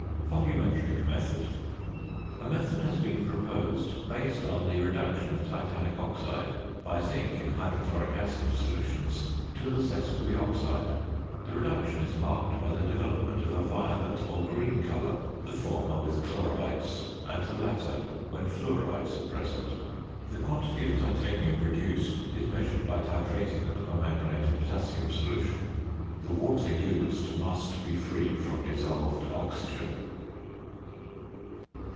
VOLUMETRIC METHOD. A method has been proposed based on the reduction of titanic oxide by zinc in hydrochloric acid solutions to the sesquioxide. The reduction is marked by the development of a violet or green colour, the former with chlorides and the latter when fluorides are present. The quantity of titanium reduced is measured by titrating with permanganate of potassium solution. The water used must be free from dissolved oxygen.